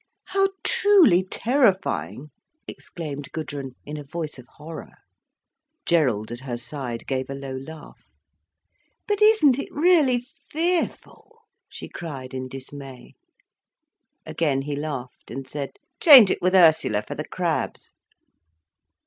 "How truly terrifying!" exclaimed Gudrun, in a voice of horror. Gerald, at her side, gave a low laugh. "But isn't it really fearful!" she cried in dismay. Again he laughed, and said: "Change it with Ursula, for the crabs."